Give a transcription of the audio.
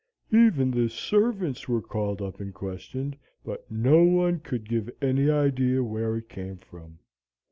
Even the servants were called up and questioned, but no one could give any idea where it came from.